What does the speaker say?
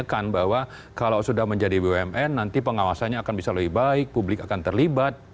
saya ingin mengatakan bahwa kalau sudah menjadi bumn nanti pengawasannya akan bisa lebih baik publik akan terlibat